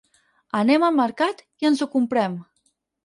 Anem al mercat i ens ho comprem.